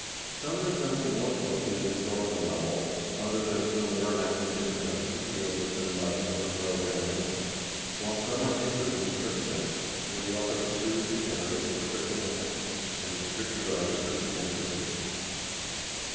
Some resemble more closely the historical novel, others are still more imaginative productions, dealing with mythologi cal and heroic elements, while some are history in a strict sense, where the author pursues his narrative with critical method, and with strict regard for truth and accuracy.